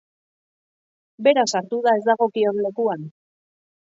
Bera sartu da ez dagokion lekuan.